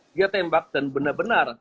dia tembak dan benar benar